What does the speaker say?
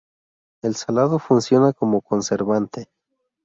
El salado funciona como conservante.